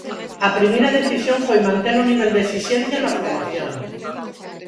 A primeira decisión foi manter o nivel de exixencia na formación.